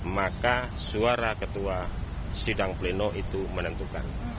maka suara ketua sidang pleno itu menentukan